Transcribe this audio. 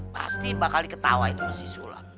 pasti bakal ketawa itu sama si sulam